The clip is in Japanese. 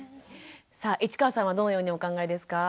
さあ市川さんはどのようにお考えですか？